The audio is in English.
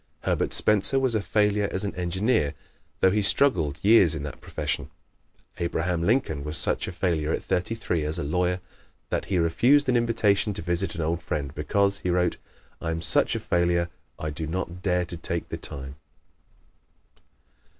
Herbert Spencer was a failure as an engineer, though he struggled years in that profession. Abraham Lincoln was such a failure at thirty three as a lawyer that he refused an invitation to visit an old friend "because," he wrote, "I am such a failure I do not dare to take the time."